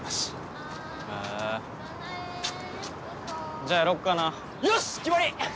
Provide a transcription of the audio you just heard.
へぇじゃあやろっかなよし決まり！